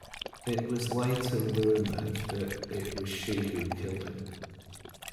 It was later rumoured that it was she who killed him.